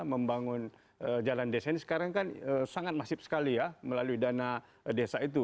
membangun jalan desa ini sekarang kan sangat masif sekali ya melalui dana desa itu